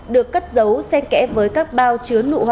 được cất dấu xen kẽ với các vật